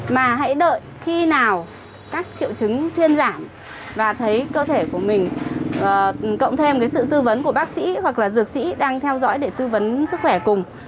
mà hãy đợi khi nào các triệu chứng thuyên giảm và thấy cơ thể của mình cộng thêm sự tư vấn của bác sĩ hoặc là dược sĩ đang theo dõi để tư vấn sức khỏe cùng